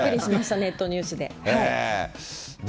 ネットニュースで。